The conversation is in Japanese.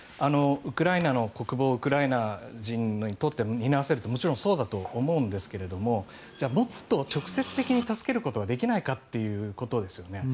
ウクライナの国防をウクライナ人に担わせるというのはもちろんそうだと思いますがもっと直接的に助けることができないかということですよね。